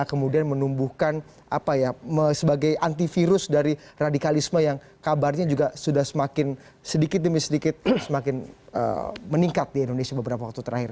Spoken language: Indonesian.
kemudian menumbuhkan apa ya sebagai antivirus dari radikalisme yang kabarnya juga sudah semakin sedikit demi sedikit semakin meningkat di indonesia beberapa waktu terakhir